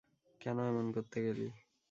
কেন এমন করতে গেলি?